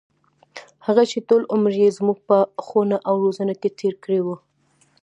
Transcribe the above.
هغـې چـې ټـول عـمر يـې زمـوږ په ښـوونه او روزنـه کـې تېـر کـړى و.